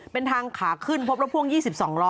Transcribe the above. เป็นทางขาขึ้นพบรถพ่วง๒๒ล้อ